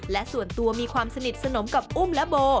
และส่วนตัวมีความสนิทสนมกับอุ้มและโบ